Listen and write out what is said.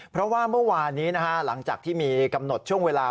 เพราะว่าเมื่อวานนี้หลังจากที่มีกำหนดช่วงเวลา